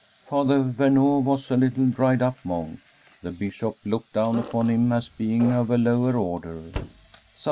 Father Vemeau was a little dried up monk. The. Bishop looked down upon him as being of a lower order.